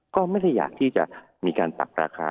ก็ไม่ได้อยากที่จะมีการปรับราคา